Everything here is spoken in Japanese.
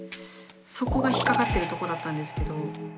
そこが引っ掛かってるとこだったんですけど。